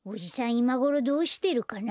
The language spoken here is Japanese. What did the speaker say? いまごろどうしてるかな？